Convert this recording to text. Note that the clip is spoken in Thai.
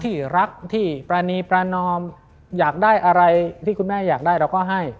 ที่รักที่ปรณีประนอมอยากได้อะไรที่คุณแม่อยากได้เราก็ให้